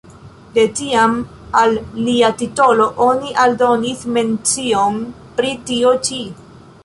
De tiam al lia titolo oni aldonis mencion pri tio ĉi.